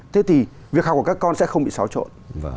thế thì việc học của các con sẽ không bị xáo trộn